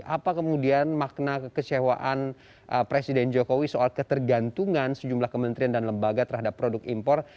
apa kemudian makna kekecewaan presiden jokowi soal ketergantungan sejumlah kementerian dan lembaga terhadap produk impor